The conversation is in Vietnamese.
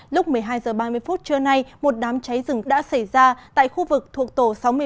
lúc một mươi hai h ba mươi phút trưa nay một đám cháy rừng đã xảy ra tại khu vực thuộc tổ sáu mươi một